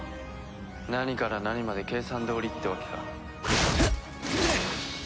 何から何まで計算どおりってわけか。